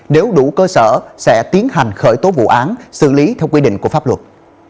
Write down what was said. nếu đủ cơ sở sẽ tiến hành khởi tố vụ án xử lý theo quy định của pháp luật